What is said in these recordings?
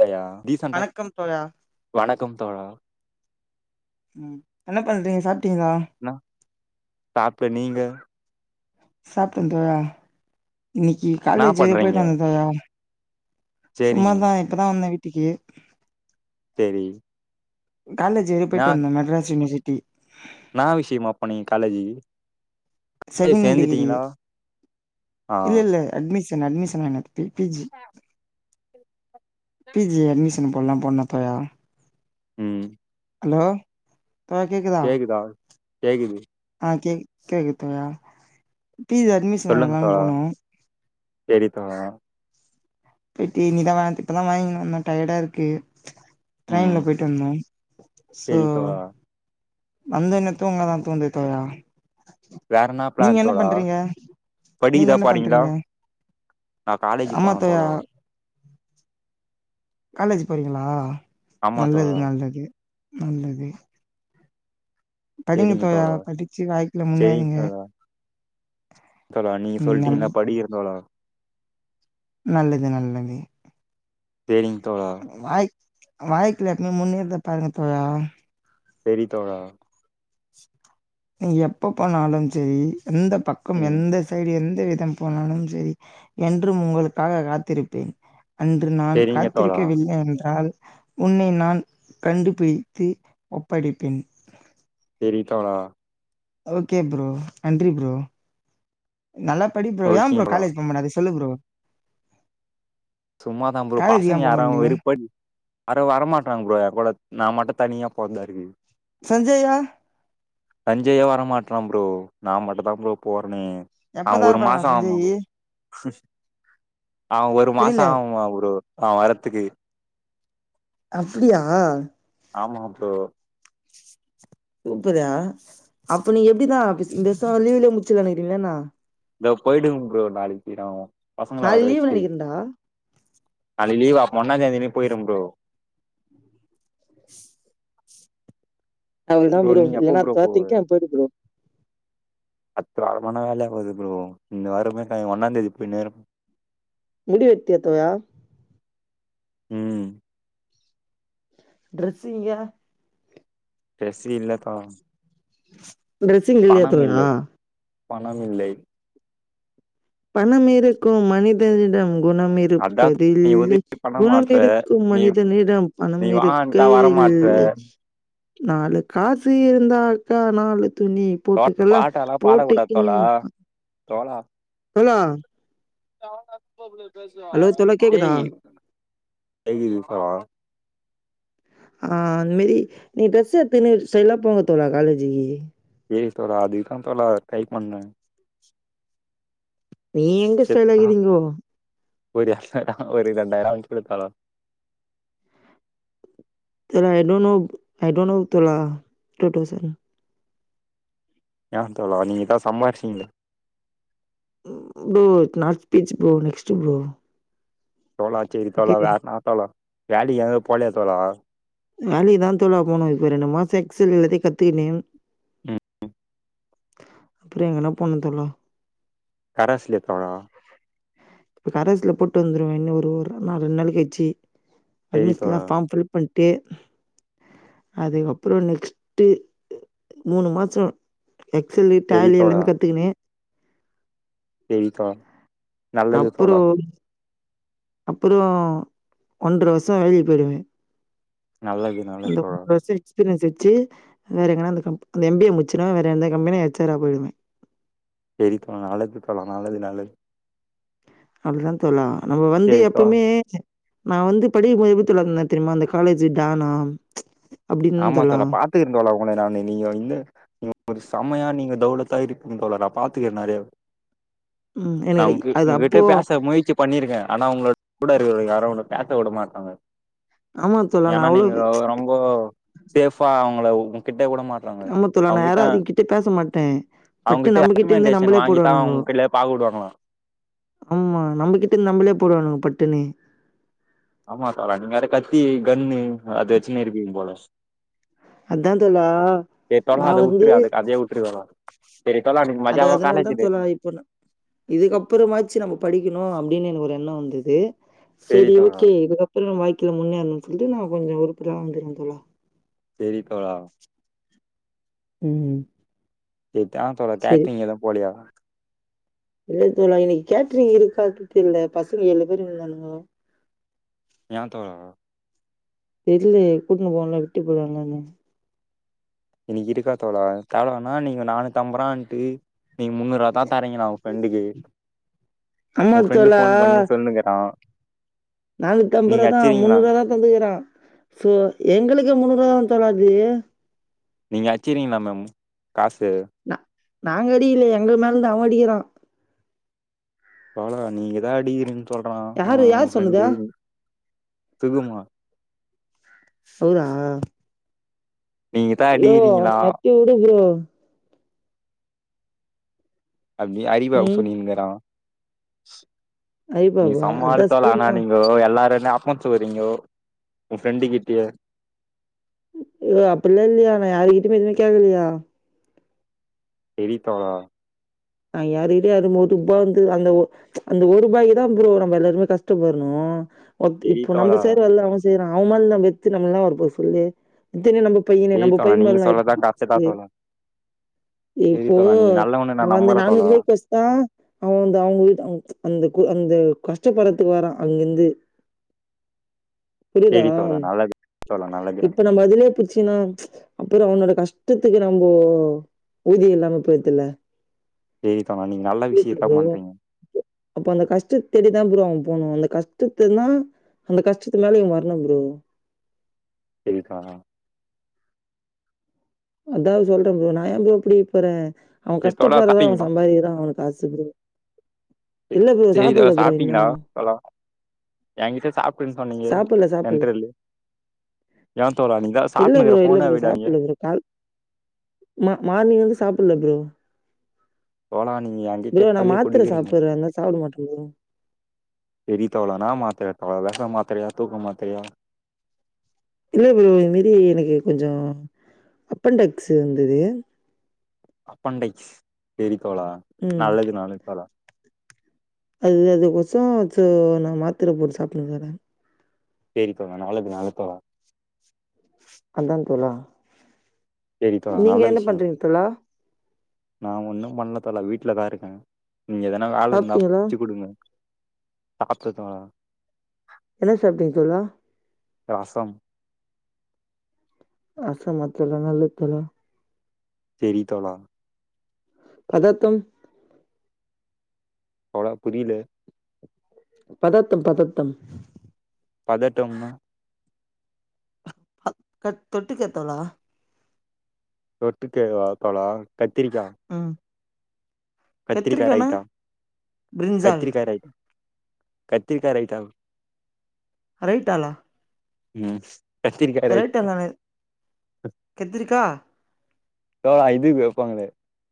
லையா டீசெண்டா வணக்கம் தோழா வணக்கம் தோழா ம் என்ன பண்றிங்க சா ன சாப்ட்டே நீங்க சாப்ட்டே தோழா இன்னிக்கி என்னா காலேஜு பண்றீங்க போயிட்டு வந் தோழா சேரிங்க சும்மாதா இப்பதா வந்த வீட்டுக்கி தேரி காலேஜு போயிட்டு வந்தே மெட்ராஸ் யுனிவர்சிட்டிகி என்னா விஷயமா போனீங்க காலேஜி காலேஜ் செகண் டிகிரியெ சேந்துட்டீங்களா ஆ இல்லல்ல அட்மிஷ் ன் அட்மிஷன் வேணு P P G P G admission போல்னா போனப்பயா ம் ஹலோ தோழா கேக்குதா கேக்குது ஆ கேக் கேக்குது தோழா பி ஜி அட்மிஷன் வாங்லான் போனோ செரி தோழா போயிட்டு இனிதா வாந்து இப்பதா வாங்கினு வந்தோ டயடாருக்கு ம் ட்ரைன்ல போயிட்டு வந்தோ சோ சேரி தோழா வந்தொன்னே தூங்கதா தோண்து தோழா வேற என்னா நீங்க பிளான் என்ன தோழா பண்றீங்க நீங்க படிகிதா என்ன போறீங்களா பண்றீங்க நா காலேஜி போவ தோழா காலேஜு போறிங்களா ஆமா நல்லது தோழா நல்லது நல்லது படிங்க தோழா படிச்சி வாழ்க்கைல சேரிங்க முன்னேறுங்க தோழா தோழா நீங்க ம் நல் சொல்ட்டிங்கள்ல படிகிறந் தோழா நல்லது நல்லது சேரிங் வாய்க் வாய்க்கல எப்பமே முன்னேர்றத பாருங்க தோழா செரி தோழா நீ எப்ப போனாலு செரி எந்த பக்கம் ம் எந்த சைடு எந் த விதம் போனாலும் செரி என்றும் உங்களுக்காக காத்திருப்பேன் அன்று நான் சேரிங்க தோழா காத்திருக்கவில்லை என்றால் உன்னை நான் கண்டுபிடித்து ஒப்படைப்பேன் செரி தோழா ஓகே ப்ரோ நன்றி ப்ரோ நல்லா படி ப்ரோ ஏ ஓகேங் ப்ரோ தோழா காலேஜ் போமாட்ட அது சொல்லு ப்ரோ சும்மாதா ப்ரே காலேஜ் ஏ பசங்க யாராவு போமாட்றீங்க வெறுப்பா [inaudible] அற வரமாட்டாங்க ப்ரோ ஏங்கூட நா மட்டு தனியா போந்தா இருக்குது சஞ்சயா சஞ்சயு வர மாட்றா ப்ரோ நா மட்டுந்தா ப்ரோ போ னே ஆ எப்பதா ஒரு இருப்பானா மாச ஆகுமா சஞ்சயி ஆ ஒரு மாச புரில ஆகுமா ப்ரோ அவ வரத்துக்கு அப்டியா ஆமா ப்ரோ எப்பரா அப்ப நீ எப்பிடிதா ஆபிஸ் இந்த வருஷ லீவுலயே முடிச்சலான் இருக்கிங்ளா என்னா இதா போயிடுவ ப்ரோ நாளைக்கு ந பசங்களா வர நாளைக்கு லீவு வெச்சுட்டு நெனைக்கிறேன்டா லீவா அப்ப ஒன்னாந் தேதி அன்னைக்கு போயிருவ ப்ரோ அவளதா ப்ரோ நீங்க எப்போ இல்லன்னா ப்ரோ தேட்டி கே போயிரு ப்ரோ அத்த அரமனா வேலையாவாது ப்ரோ இந்த வாரமே ஒன்னாந்தேதி போய் நேர வீடியோ எடுத்தியா தோழா ம் ட்ரெஸ்ஸு இங்க ட்ரெஸ்ஸு இல்லக்கா ட்ரெஸ் இங்க இல்லையா தோழா பணம் இல்லை பணம் இருக்கும் மனிதனிடம் குணம் அதான் நீ இருப்பதில்லை உதவி பண்ண குணம் மாட்ற இருக்கும் நீ மனிதனிடம் பணம் இருக்க இல் அத்த நாலு காசி இருந்தாக்கா நாலு துணி தோழா போட்டுக்கலா பாட்டெல்லாம் பாடக்கூடாது போட்டுக்கினு தோழா தோழா தோழா ஹலோ தோழா கேக்குதா ஏய் [unintelligible] ஆ அந்த மேரி நீ ட்ரெஸ்ஸு எத்துனு ஸ்டைலா போங்க தோழா காலேஜ்ஜிக்கு [unintelligible] தோழா அதுக்குதா தோழா ட்ரை பண்ண நீ எங்க சேரி ஸ்டைல்லா தோழா இருக்கறீங்கோ ஒரு அகனா [unintelligible] ஒரு ரெண்டாயிரோ அனுப்பியூடு தோழா ஐடோநோ ஐடோநோ தோழா டூ டவுஷன் யா தோழா நீங்க தா சம்பாரிச்சீங்களே bro it not beach bro next bro தோழா சேரி தோழா ஓகே வேற என்னா தோழா வேலைக்கு எங்கூ போலையா தோழா வேலைக்கு தா தோழா போனு இப்ப ரெண்டு மாசோ எக்ஸ்சல் எல்லாத்தையூ கத்துகுன்னு ம் அப்பறோ எங்கனா போனு தோழா கரஸ்ல இருக்காங்களா இப்ப கரேஸ்ல போட்டு வந்துருவே இன்னு ஒரு ஒரு ரெண் ரெண்டு நாள் கழிச்சு செரி அட்மிஷன்லா தோழா ஃபாம் பிள் டே அதுக்கப்றறோ நெக்ஸ்ட்டு மூணு மாசோ எக்ஸல்லு செரி டேலி எல்லாமே கத்துக்குணு செரிக்கா அப்பறோ அப்பறோ ஒன்றர வருஷோ வேலக்கி பேயிடுவே நல்லது நல்ல தோழா எக்ஸ்பீரியன்ஸ் வச்சு வேற எங்கனா அந்த கம் அந்த எம்பிஏ முடிச்சுடுவே வேற எந்த கம்பனியா ஹெச்சாரா போயிடுவே செரி தோழா நல்லது தோழா நல்லது நல்லது அப்டி தா தோழா நம்ம வந்து சேரி தோழா எப்பிமே நா வந்து படிக்க [unintelligible] எப்டி தோழா இருந்தே தெரிமா அந்த காலேஜி டானா ஆமா தோழா பாத்துக்றே தோழா உங்கள நானு நீங்க வந்து ஒரு செமையா நீங்க [unintelligible] இருப்பிங்க தோழா நா பாத்துக்குறே நறைய ம். நா எனக்கு உங் அது உங்க கிட்ட அப்போ பேச முயற்சி பண்ணிருக்கே ஆனா உங்ளோட கூட இருக்கவங்க யாரு பேச உட மாட்டாங்க ஆமா தோழா ஏனா நான் அவ்வளோ நீங்க ரொம்ப சேஃபா அவங்கள உங் கிட்ட கிட்டே வுடமாட்றாங்க ஆமா தோழா நான் அவங்கிட்ட யாரும் அதுகிட்ட பேச மாட்டேன். பட்டு அவங்கிட்ட நம்ம கிட்ட இருந்து ரெக்மெண்டேஷன் நம்மளே வாங்கி தா போடுவானுங்கோ. அவங்க [unintelligible] கிட்டயே பாக் உடுவாங்க ஆமா நம்மகிட்ட நம்பளே போடுவானுங்க பட்டுனு ஆமா தோழா நீங்க வேற கத்தி கன்னு அத வச்சுன்னு இருப்பீங்க போல அதா தோழா சரி தோழா நா அத வந்து உட்ரு அத அதயே உட்ரு தோழா சரி தோழா இன்னைக்கு அத மஜாவா அதனால தா காலேஜ் டே தோழா இப்ப நா இதுக்கப்பறமாச்சு நம்ம படிக்கணு அப்ப அப்டினு எனக்கு ஒரு எண்ணோ வந்துது சரி செரி தோழா ஓகே இதுக்கப்றோ வாழ்க்கைல முன்னேறணு [unintelligible] நா கொஞ்சோ [unintelligible] வந்துறே தோழா செரி தோழா ம் இதா தோழா சரி. [unintelligible] எது போலயா இல்ல தோழா இன்னைக்கு கேட்ரிங் இருக்காது தெர்ல்ல பசங்க ஏழு பேரு இருந்தானுங்கோ ஏ தோழா தெர்லயே கூட்டுன் போல விட்டு [unintelligible] இன்னைக்கு இருக்கா தோழா [unintelligible] நீங்க நானு [unintelligible] நீங்க முன்னூரா தா தரீங்லா உங் ஃப்ரெண்டுக்கு ஆமா உங்க ஃப்ரெண்டு தோழா ஃபோன் பண்ணி சொல்லுங்கறா நீங்க நானூத்தம்பரா தா அச்சிறீங்களா முன்னூர்வா தந்துக்குறா சோ எங்ளுக்கு முன்னூர்வா தா தோழா அது நீங்க அச்சிக்கிறீங்ளாமே காசு நா நாங்க அடிக்கிலயே எங்க மேல தா அவங் அடிக்கிறா தோழா நீங்கதா அடிக்கிறீங் சொல்றா யாரு அவ யார் சொன்னது? ஃப்ரெண்டு [unintelligible] சொல்தா நீங்கதா அடிக்கிறீங்களா [unintelligible] உடு ப்ரோ அப்டி அறிவு அப்டி ம். சொன்னிங்க்குறா நீங்க சம்ம ஆளு அதான் தோழா ஆனா சொல்லியிருந்தா. நீங்கோ எல்லாரு ஏ [unintelligible] வரீங்கோ உங் ஃப்ரெண்டு கிட்டயே யோ அப்பில்லா இல்லையா நா யாருகிட்டிமே எதுமே கேக்கலையா செரி தோழா ஆ யாரு கிட்டே [unintelligible] ஒரு ஒதுபா வந்து அந் அந்த ஒரு ரூபாய்க்கு தா ப்ரோ நம்ம எல்லாருமே கஷ்டப்பட்ரோ ஒத் செரி இப்போ தோழா நம்ம செய்ற வேல தா அவ செய்றா அவன் மேல் நா வெத்து நம்ம என்னா வரு போது சொல்லு இத்தி நம்ம பையனே செரி நம்ம தோழா பையன் நீங்க சொல்றதா [unintelligible] கரெக்ட்டுதா சொல்லு தோழா செரி இப்போ தோழா நீங்க நல்லவன்னு நா அவ அந்த நம்புறே தோழா நானூறுபாயிக்கு ஒஸ்தா அவ அந்த அவ உயிர் தா ம்ச் அந்த கூ அந்த கஷ்டப்படுறதுக்கு வரா அங்கிருந்து. புரியுதா செரி தோழா நல்லது தோழா நல்லது இப்ப நம்ம அதுலையே புச்சுனா ம்ச் புறோ அவனோட கஷ்டத்துக்கு நம்போ ஊதியோ இல்லாம போயிருதுல்ல. சேரி தோழா நீங்க நல்ல கேக்குது விஷயத்தா ப்ரோ பண்றீங்க அப்போ அந்த கஷ்டத் தேடிதா ப்ரோ அவ போனு அந்த கஷ்டத்துலனா அந்த கஷ்டத்துமேல இவ வரணு ப்ரோ டெய்லிக்கா அதாவது சொல்றேன் ப்ரோ நா ஏன் ப்ரோ புடிக்க போறே அவ சேரி தோழா கஷ்டப்படுறத அவ சாப்ட்டீங்களா சம்பாதிக்கிறா அவனுக்கு காசுப்ப்ரோ. இல்ல ப்ரோ சேரி தோழா சாப்பிடல ப்றோ இன்னு எங்கிட்ட சாப்பிட்டேனு சொன்னீங்க சாப்பிடல. சென்ரல்லு ஏன் தோளா நீதா இல்ல சாப்புட்னுக்கிற ப்ரோ, இல்ல போனா ப்ரோ வையிடானிங்க சாப்பிடல ப்ரோ. கால் மா மார்னிங் இருந்து சாப்பிடுல ப்ரோ. தோளா நீங்க ஏ கிட்டேயே ப்ரோ நான் அதேயே மாத்திரை குடிக்கிறீங்க சாப்பிடுறேன், அதனால சாப்பிட மாட்டேன் ப்ரோ. எரிதகளானா மாத்ததகாதளவ ன்ன மாத்திரையா தூக்க மாத்திரையா? இல்ல ப்ரோ இந்த மேரி எனக்கு கொஞ்சோ அப்பண்டக்ஸ் இருந்தது. அப்பண்டைக்ஸ் பேரி தோளா ம். நள்ளது நடக்கு தோழா. சோ சோ நா மாத்திர போட்டு சாப்பிட்டுனுக்கறே செரி தோளா நாளைக்கு [unintelligible] தோளா பன்ரன் தோளா சேரி தோழா நீங்க நல்ல என்ன விஷயோ பண்றீங்க தோளா நா ஒண்ணு பண்ணுல தோலா வீட்டுலதா இருக்கே நீங்க எதனா வேல இருந்தா சாப்ட்டீங்களா புடிச்சு குடுங்க. பாக்க தோழா என்ன சாப்பிடிங்க தோளா ரசம். ரசமத்துருதா நல்லது தோளா செரி தோளா பதத்தம். தோழா புரியல பதத்தம் பதத்தம் பதட்டம்னா ஆ க தொட்டுக்கத் தோளா தொட்டுக்கவா தோளா கத்திரிக்கா. ம் கத்திரிக்கா கத்திரிக்கானா ரயிட்டா பிரிஞ்சால் கத்திரிக்கா ரயிட் கத்திரிக்கா ரயித்தா ரைட்டால ம் கத்திரிக்கா ரயித்தா ம் கத்திரிக்கா தோளா இதுக்கு வெப்பாங்களே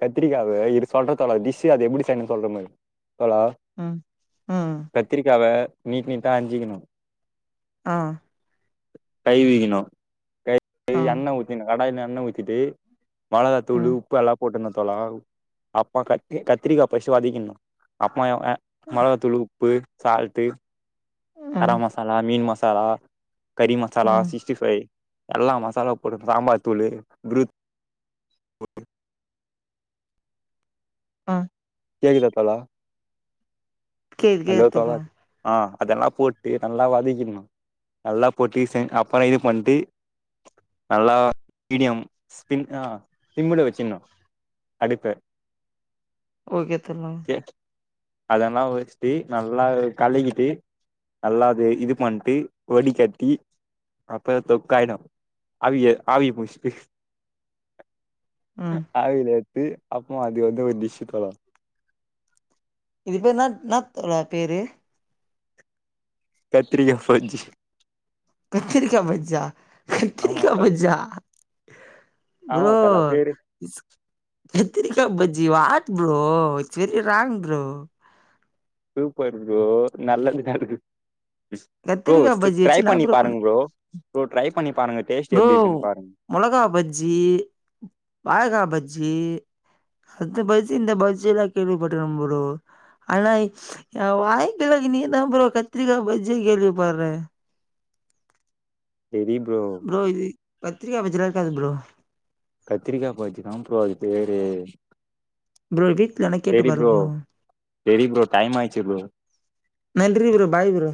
கத்திரிக்காவ இரு சொல்ற தோளா டிஸ்ஸு அது எப்பிடி செய்யிணுனு சொல்ற பாரு தோளா ம் ம் கத்திரிக்காவ நீட்டு நீட்டா அஞ்சிக்கணு ஆ கழிவிக்கிணு கை கழிவி ஆ எண்ண ஊத்தினு கடாயில எண்ண ஊத்திட்டு. மொளகா ஆ தூளு உப்பு எல்லா போட்டு ந தோளா அப்ப கத்தி கத்திரிக்கா பஸ்டு வதக்கிடுனு அப்ப அ ஆ ம் மொளகா தூளு உ ப்பு சால்டு கர மசாலா மீன் மசாலா கரி மசாலா ம் சிக்ஸ்டிஃபைவ். எல்லா மசாலா போட்டு சாம்பார் தூளு [unintelligible] ஆ கேக்குதா தோளா கேக்குது ஹலோ கேக்குது தோளா தோழா ஆ அதெல்லா போட்டு நல்லா வதக்கிர்ணு நல்லா போட்டு செ அப்புறோ இது பண்டு நல்லா மீடியம் சிம் அ சிம்ல வெச்சுறணு அடுப்ப ஓகே தல எ அதெல்லா வெச்சுட்டு நல்லா கழிகிட்டு நல்லா அத இது பண்ணிட்டு வடி கட்டி அப்புற தொக்காயிடு ஆவி ஆவிய புடிச்சிட்டு ம் ஆலில எடுத்து அப்றமா அது வந்து டிஸ்சு தல இதுபேரு என்னா என்னாத் தல பேரு கத்திரிக்கா பஜ்ஜி கத்திரிக்கா பஜ்ஜா ஆமா கத்திரிக்கா தோழா பஜ்ஜா ஆமா ப்ரோ தோழா பேரு கத்தரிக்கா பஜ் ஜி what bro it's very wrong bro super bro நல்லதுதா இருக்கு ப்ரோ கத்திரிக்கா பஜ்ஜி ட்ரை வச்சு பண்ணி லாப்ரோ பண்ணு பாருங்க ப்ரோ ட்ரை பண்ணி பாருங்க டேஸ்ட் ப்ரோ எப்டி இருக்குன்னு பாருங்க மொளகா பஜ்ஜி வாழக்கா பஜ்ஜி அந்த பஜ்ஜி இந்த பஜ்ஜில்லா கேள்விப்பட்டிருக்க ப்ரோ ஆனா ஏ வாழ்க்கையில இன்னிக்கி தா ப்ரோ கத்திரிக்கா பஜ்ஜியே கேள்விபட்றே ப்ரோ இது கத்திரிக்காய் பஜில இருக்காது ப்ரோ கத்தரிக்கா பஜ்ஜி தா ப்ரோ அது பேரு ப்ரோ வீட்ல வேணா கேட்டு செரி பாரு ப்ரோ செரி ப்ரோ டைம் ஆயிச்சு ப்ரோ நன்றி ப்ரோ பாய் ப்ரோ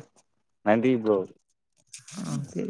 நன்றி ப்ரோ ஓகே